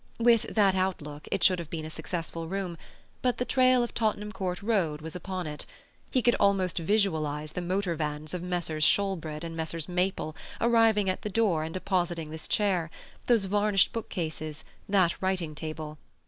With that outlook it should have been a successful room, but the trail of Tottenham Court Road was upon it; he could almost visualize the motor vans of Messrs. Shoolbred and Messrs. Maple arriving at the door and depositing this chair, those varnished book cases, that writing table.